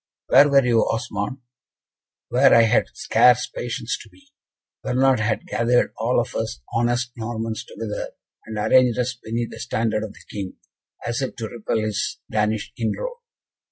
"Where were you, Osmond?" "Where I had scarce patience to be. Bernard had gathered all of us honest Normans together, and arranged us beneath that standard of the King, as if to repel his Danish inroad.